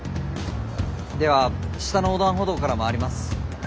では下の横断歩道から回ります。